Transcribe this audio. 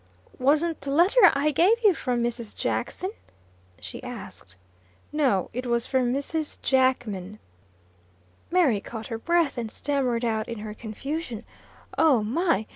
"Wasn't the letter I gave you from Mrs. Jackson?" she asked. "No; it was from Mrs. Jackman." Mary caught her breath, and stammered out, in her confusion: "Oh, my!